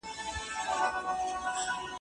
څوک یې ځواب نه لري: